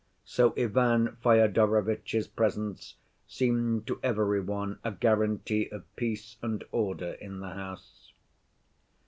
So Ivan Fyodorovitch's presence seemed to every one a guarantee of peace and order in the house.